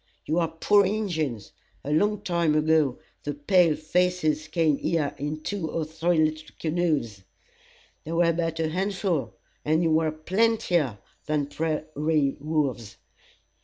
You are poor Injins. A long time ago, the pale faces came here in two or three little canoes. They were but a handful, and you were plentier than prairie wolves.